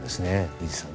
藤さん。